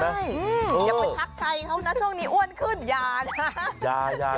ไม่ต้องไปทักใครเขานะช่วงนี้อ้วนขึ้นยานะ